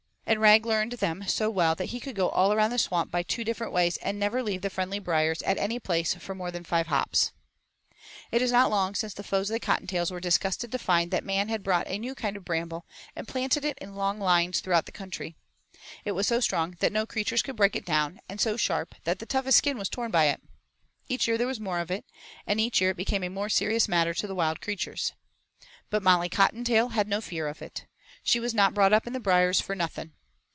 And Rag learned them so well that he could go all around the swamp by two different ways and never leave the friendly briers at any place for more than five hops. It is not long since the foes of the Cottontails were disgusted to find that man had brought a new kind of bramble and planted it in long lines throughout the country. It was so strong that no creatures could break it down, and so sharp that the toughest skin was torn by it. Each year there was more of it and each year it became a more serious matter to the wild creatures. But Molly Cottontail had no fear of it. She was not brought up in the briers for nothing.